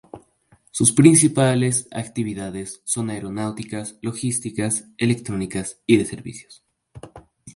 Sus principales actividades son aeronáuticas, logísticas, electrónicas y de servicios.